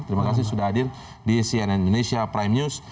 terima kasih sudah hadir di cnn indonesia prime news